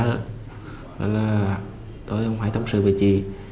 nói là tôi không hay tâm sự với chị